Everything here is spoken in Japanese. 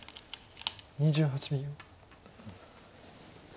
２８秒。